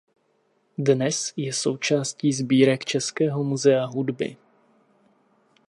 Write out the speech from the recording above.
Dnes je součástí sbírek Českého muzea hudby.